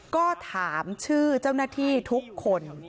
ก็ถามชื่อเจ้าหน้าที่ทุกคน